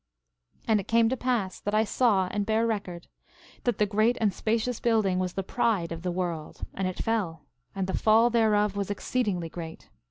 11:36 And it came to pass that I saw and bear record, that the great and spacious building was the pride of the world; and it fell, and the fall thereof was exceedingly great.